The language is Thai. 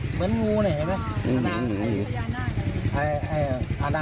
เหมือนงูนี่เห็นไหม